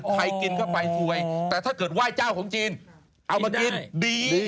กินเข้าไปสวยแต่ถ้าเกิดไหว้เจ้าของจีนเอามากินดี